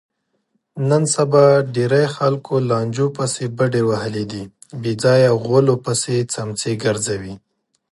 نن سبا ډېری خلکو لانجو پسې بډې وهلي دي، بېځایه غولو پسې څمڅې ګرځوي.